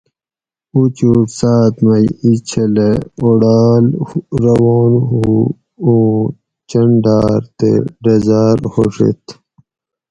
اُچھوٹ ساۤت مائ ایں چھلہ اوڑال روان ھو اُوں چنڈاۤر تے ڈزاۤر ھو ڛیت